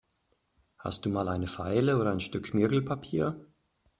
Hast du mal eine Feile oder ein Stück Schmirgelpapier?